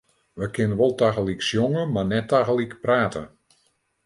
Wy kinne wol tagelyk sjonge, mar net tagelyk prate.